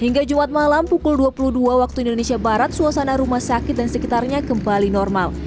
hingga jumat malam pukul dua puluh dua waktu indonesia barat suasana rumah sakit dan sekitarnya kembali normal